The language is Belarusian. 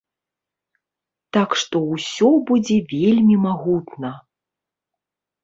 Так што, усё будзе вельмі магутна.